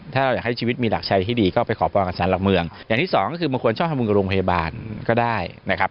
ถ้าเราอยากให้ชีวิตมีหลักชัยที่ดีก็ไปขอพรกับสารหลักเมืองอย่างที่สองก็คือบางคนชอบทำบุญกับโรงพยาบาลก็ได้นะครับ